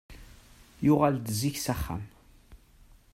Yuɣal-d zik s axxam.